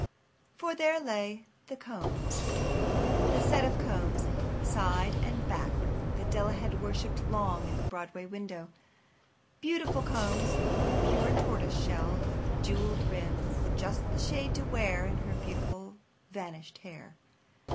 For there lay The Combs—the set of combs, side and back, that Della had worshipped long in a Broadway window. Beautiful combs, pure tortoise shell, with jewelled rims—just the shade to wear in the beautiful vanished hair.